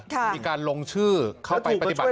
มีการลงชื่อเข้าไปปฏิบัติหน้าที่